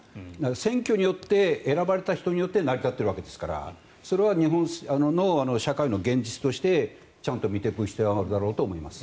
選挙によって選ばれた人によって成り立っているわけですからそれは日本の社会の現実としてちゃんと見ていく必要があるだろうと思います。